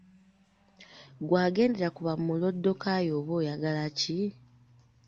Ggwe agendera ku ba Mulooddokayi oba oyagala ki?”